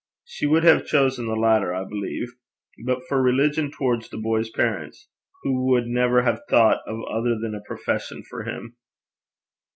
She would have chosen the latter, I believe, but for religion towards the boy's parents, who would never have thought of other than a profession for him.